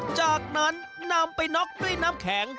จากนั้นนำไปน็อกด้วยน้ำแข็ง